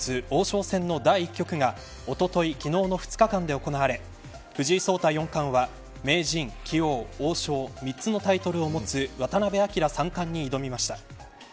王将戦の第１局がおととい、昨日の２日間で行われ藤井聡太四冠は名人・棋王・王将３つのタイトルを持つ渡辺明三冠に挑みました。